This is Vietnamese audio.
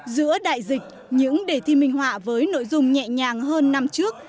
giữa đại dịch những đề thi minh họa với nội dung nhẹ nhàng hơn năm trước